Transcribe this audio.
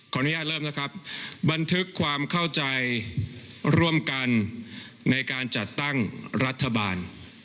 อนุญาตเริ่มนะครับบันทึกความเข้าใจร่วมกันในการจัดตั้งรัฐบาล